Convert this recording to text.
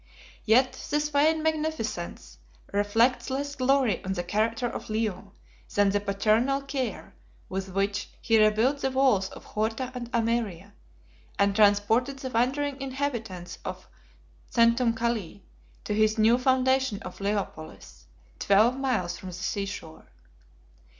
Yet this vain magnificence reflects less glory on the character of Leo than the paternal care with which he rebuilt the walls of Horta and Ameria; and transported the wandering inhabitants of Centumcellae to his new foundation of Leopolis, twelve miles from the sea shore.